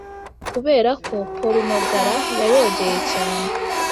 Kubera ko porunogara ya yogeye cyane